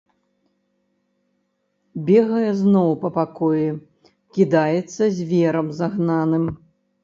Бегае зноў па пакоі, кідаецца зверам загнаным.